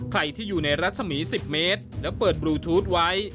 ใครที่อยู่ในรัศมี๑๐เมตรแล้วเปิดบลูทูธไว้